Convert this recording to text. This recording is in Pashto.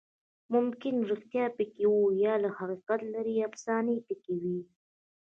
ممکن ریښتیا پکې وي، یا له حقیقت لرې افسانې پکې وي.